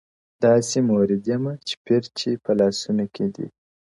داسې مريد يمه چي پير چي په لاسونو کي دی _